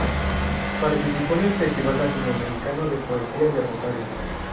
Participó en el Festival Latinoamericano de Poesía de Rosario.